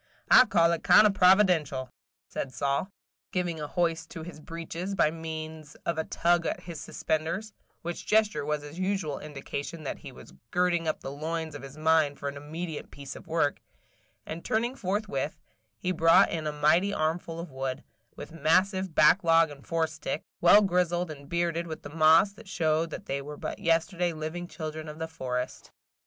I call it kind o' providential," said Sol, giving a hoist to his breeches by means of a tug at his suspenders, which gesture was his usual indication that he was girding up the loins of his mind for an immediate piece of work; and, turning forthwith, he brought in a mighty armful of wood, with massive back log and fore stick, well grizzled and bearded with the moss that showed that they were but yesterday living children of the forest.